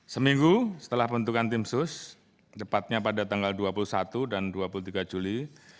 seminggu setelah bentukan tim sus tepatnya pada tanggal dua puluh satu dan dua puluh tiga juli